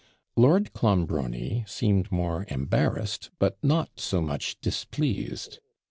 Lord Clonbrony seemed more embarrassed, but not so much displeased.